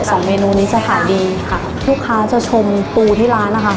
สองเมนูนี้จะขายดีค่ะลูกค้าจะชมปูที่ร้านนะคะ